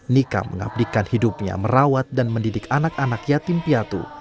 nika mengabdikan hidupnya merawat dan mendidik anak anak yatim piatu